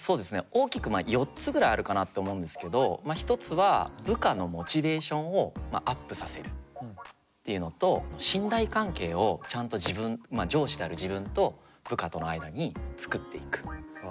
大きくまあ４つぐらいあるかなと思うんですけど一つは部下のモチベーションをアップさせるっていうのと信頼関係をちゃんと自分上司である自分と部下との間に作っていく。